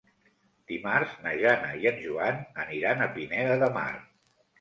Dimarts na Jana i en Joan aniran a Pineda de Mar.